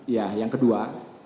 ya yang kedua